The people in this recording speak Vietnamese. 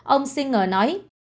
ông singer nói